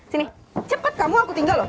sini cepat kamu aku tinggal loh